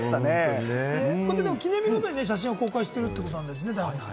記念日ごとに写真を公開してるってことなんですね。